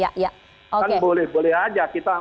kan boleh boleh aja